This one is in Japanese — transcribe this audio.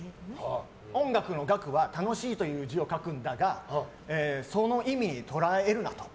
音楽の楽は楽しいという字を書くんだがその意味で捉えるなと。